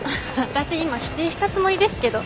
私今否定したつもりですけど。